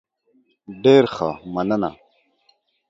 ډیر ښه، مننه.